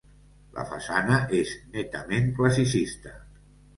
La façana és netament classicista.